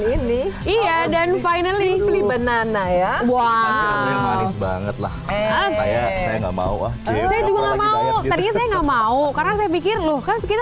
ini iya dan finally benana ya wah banget lah saya nggak mau mau karena saya pikir luka kita